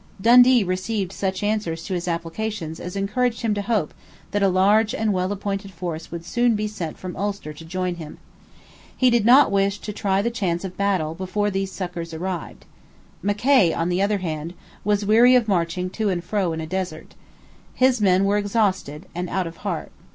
Dundee received such answers to his applications as encouraged him to hope that a large and well appointed force would soon be sent from Ulster to join him. He did not wish to try the chance of battle before these succours arrived, Mackay, on the other hand, was weary of marching to and fro in a desert. His men were exhausted and out of heart.